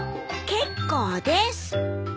結構です！